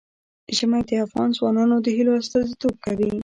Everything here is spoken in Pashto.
ژمی د افغان ځوانانو د هیلو استازیتوب کوي.